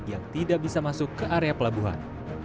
yang tidak bisa masuk ke area pelabuhan